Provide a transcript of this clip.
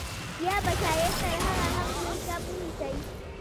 یا به شاید تر هغه هم لوی کب ونیسئ